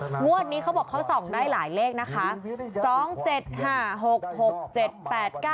งวดนี้เขาบอกเขาส่องได้หลายเลขนะคะ